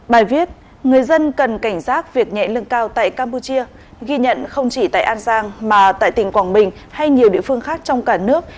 bài viết người dân cần cảnh giác việc nhẹ lương cao tại campuchia ghi nhận không chỉ tại an giang mà tại tỉnh quảng bình hay nhiều địa phương khác trong cả nước